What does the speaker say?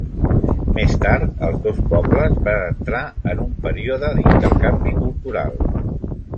Més tard els dos pobles van entrar en un període d'intercanvi cultural.